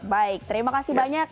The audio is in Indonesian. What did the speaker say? baik terima kasih banyak